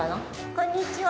こんにちは。